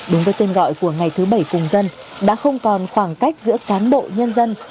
đúng với tên gọi của ngày thứ bảy cùng dân đã không còn khoảng cách giữa cán bộ nhân dân